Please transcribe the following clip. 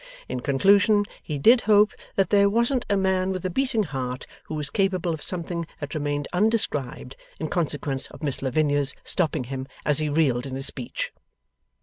In conclusion, he did hope that there wasn't a man with a beating heart who was capable of something that remained undescribed, in consequence of Miss Lavinia's stopping him as he reeled in his speech.